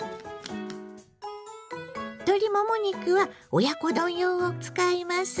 鶏もも肉は親子丼用を使います。